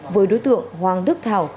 với đối tượng hoàng đức thảo